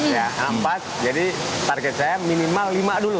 ya empat jadi target saya minimal lima dulu